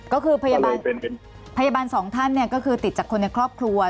ก็คือพยาบาลสองท่านก็คือติดจากคนในครอบครัว